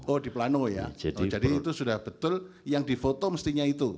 oh di plano ya jadi itu sudah betul yang difoto mestinya itu